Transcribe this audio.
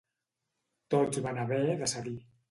Tots van haver de cedir.